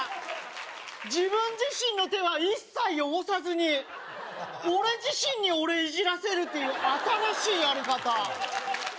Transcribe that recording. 自分自身の手は一切汚さずに俺自身に俺いじらせるっていう新しいやり方